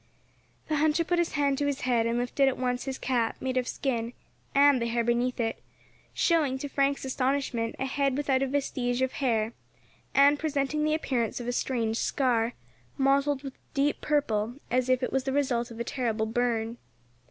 The hunter put his hand to his head and lifted at once his cap, made of skin, and the hair beneath it, showing, to Frank's astonishment, a head without a vestige of hair, and presenting the appearance of a strange scar, mottled with a deep purple, as if it was the result of a terrible burn.